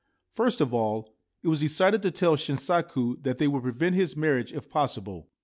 First of all, it was decided to tell Shinsaku that they would prevent his marriage if possible.